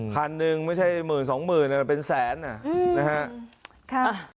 คันหนึ่งไม่ใช่หมื่นสองหมื่นมันเป็นแสนนะฮะ